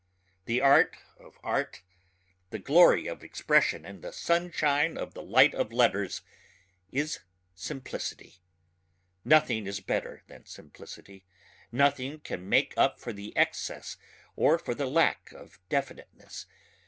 The art of art, the glory of expression and the sunshine of the light of letters is simplicity. Nothing is better than simplicity ... nothing can make up for excess or for the lack of definiteness.